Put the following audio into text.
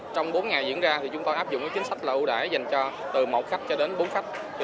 trong bốn ngày diễn ra thì chúng tôi áp dụng chính sách là ưu đãi dành cho từ một khách cho đến bốn khách